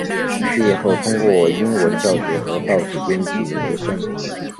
毕业后通过英文教学和报纸编辑维生。